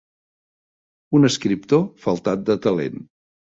Un escriptor faltat de talent.